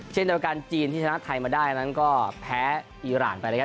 เช่นจังหวังการจีนที่ชนะไทยมาได้นั้นก็แพ้อีรานไปเลยครับ